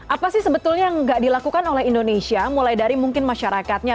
apa sih sebetulnya yang nggak dilakukan oleh indonesia mulai dari mungkin masyarakatnya